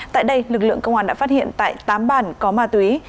tại đây lực lượng công an đã phát hiện tại tám bàn có ma túy